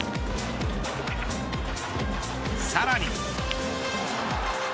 さらに。